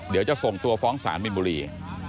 เดี๋ยวจะส่งตัวฟ้องสารมินบุรี